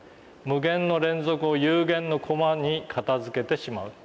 無限の連続を有限のコマにかたづけてしまう」。